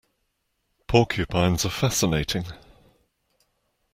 Porcupines are fascinating.